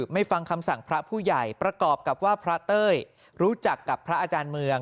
ฟังคำสั่งพระผู้ใหญ่ประกอบกับว่าพระเต้ยรู้จักกับพระอาจารย์เมือง